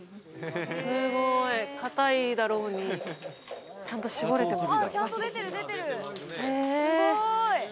すごいかたいだろうにちゃんとしぼれてますねへえ